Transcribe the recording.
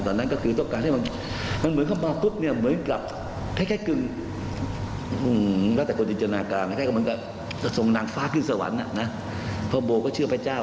จะเป็นรายการที่เราลึกถึงจังโมมิตรสุดท้ายก่อนที่รุกร่างจะเข้าไปในเตา